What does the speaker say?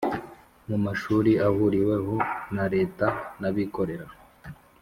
mu mashuri ahuriweho na Leta n abikorera